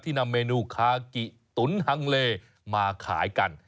นำเมนูคากิตุ๋นฮังเลมาขายกัน